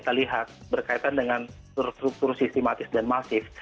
kita lihat berkaitan dengan struktur sistematis dan masif